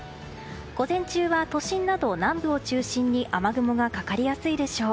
午前中は都心など南部を中心に雨雲がかかりやすいでしょう。